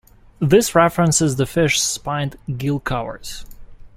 This references the fish's spined gill covers.